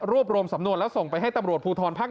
รวมรวมสำนวนแล้วส่งไปให้ตำรวจภูทรภาค๑